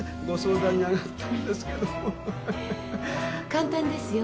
簡単ですよ。